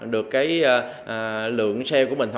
được lượng share của mình